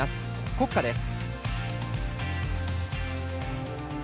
国歌です。